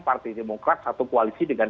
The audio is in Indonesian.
partai demokrat satu koalisi dengan